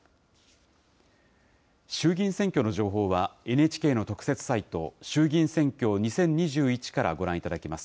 衆議院選挙の情報は、ＮＨＫの特設サイト、衆議院選挙２０２１からご覧いただけます。